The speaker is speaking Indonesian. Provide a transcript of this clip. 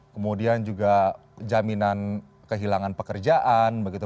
kemudian juga jaminan kehilangan pekerjaan begitu